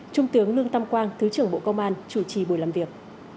trung tướng lương tam quang thứ trưởng bộ công an chủ trì buổi làm việc